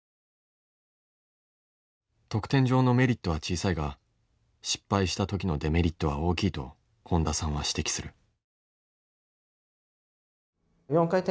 得点上のメリットは小さいが失敗した時のデメリットは大きいと本田さんは指摘する。